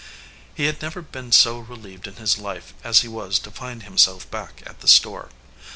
He had never been so relieved in his life as he was to find himself back at the store.